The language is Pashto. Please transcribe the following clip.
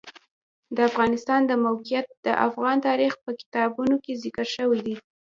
د افغانستان د موقعیت د افغان تاریخ په کتابونو کې ذکر شوی دي.